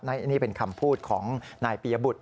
อันนี้เป็นคำพูดของนายปียบุตร